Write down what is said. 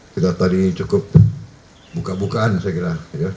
kita tadi cukup buka bukaan saya kira